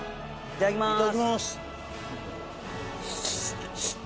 いただきます。